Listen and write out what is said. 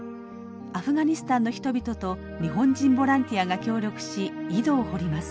アフガニスタンの人々と日本人ボランティアが協力し井戸を掘ります。